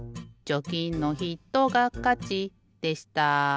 「チョキのひとがかち」でした。